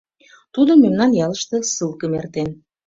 Тудо мемнан ялыште ссылкым эртен.